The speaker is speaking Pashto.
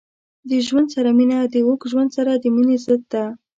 د ژوند سره مینه د اوږد ژوند سره د مینې ضد ده.